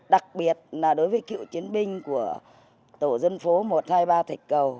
đặc biệt là đối với cựu chiến binh của tổ dân phố một trăm hai mươi ba thạch cầu